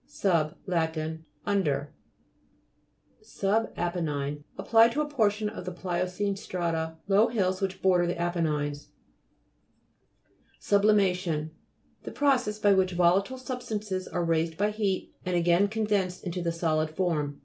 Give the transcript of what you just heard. SUB Lat. Under. SUBAPENNINE Applied to a portion of the pliocene strata. Low hills which border the Apennines. SUBLIMA'TION The process by which volatile substances are raised by heat, and again condensed into the solid form.